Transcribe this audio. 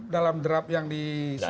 dalam draft yang disediakan